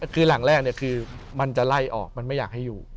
คือหลังแรกคือมันจะไล่ออกมันไม่อยากให้อยู่